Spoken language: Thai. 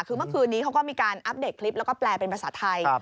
คือเมื่อคืนนี้เขาก็มีการอัปเดตคลิปแล้วก็แปลเป็นภาษาไทย